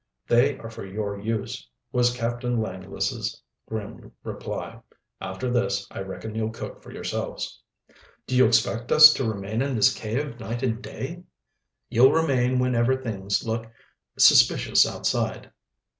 "They are for your use," was Captain Langless' grim reply. "After this I reckon you'll cook for yourselves." "Do you expect us to remain in this cave night and day?" "You'll remain whenever things look suspicious outside."